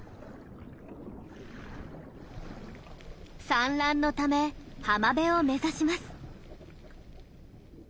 産卵のため浜辺を目指します。